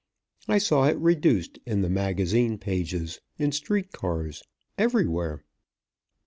I saw it reduced in the magazine pages, in street cars everywhere.